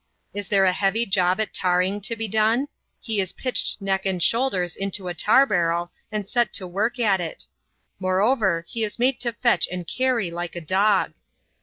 Is there a heavy job at tarring to be done, he is pitched neck and shoulders into a tar barrel, and set to work at it. Moreover, he is made to fetch and carry like a dog.